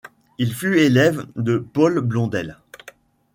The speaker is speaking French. Il fut élève de Paul Blondel.